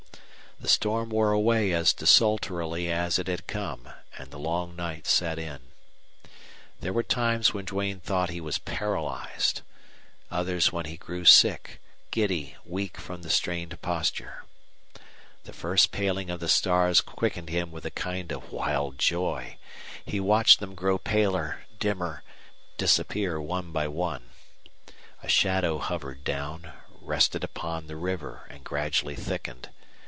The storm wore away as desultorily as it had come, and the long night set in. There were times when Duane thought he was paralyzed, others when he grew sick, giddy, weak from the strained posture. The first paling of the stars quickened him with a kind of wild joy. He watched them grow paler, dimmer, disappear one by one. A shadow hovered down, rested upon the river, and gradually thickened.